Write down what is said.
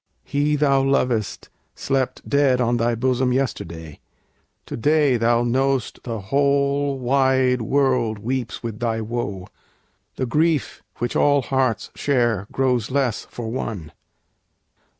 He thou lovedst slept Dead on thy bosom yesterday; to day Thou know'st the whole wide world weeps with thy woe; The grief which all hearts share grows less for one.